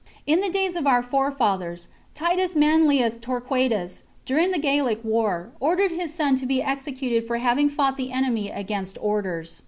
In the days of our forefathers, Titus Manlius Torqua tus, during the Gallic war, ordered his son to be exe cuted for having fought the enemy against orders.